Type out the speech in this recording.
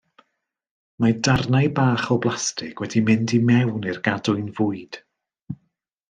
Mae darnau bach o blastig wedi mynd i mewn i'r gadwyn fwyd.